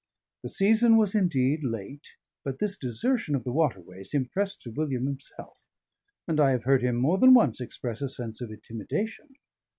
The season was indeed late, but this desertion of the waterways impressed Sir William himself; and I have heard him more than once express a sense of intimidation.